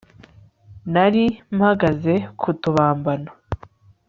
Nari mpagaze ku tubambano